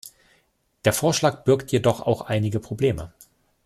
Der Vorschlag birgt jedoch auch einige Probleme.